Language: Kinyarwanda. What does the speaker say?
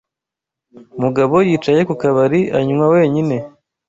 Mugabo yicaye ku kabari anywa wenyine.